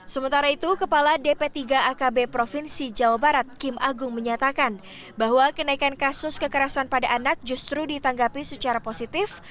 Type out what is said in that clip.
sementara itu kepala dp tiga akb provinsi jawa barat kim agung menyatakan bahwa kenaikan kasus kekerasan pada anak justru ditanggapi secara positif